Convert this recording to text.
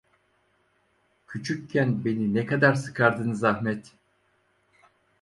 Küçükken beni ne kadar sıkardınız Ahmet…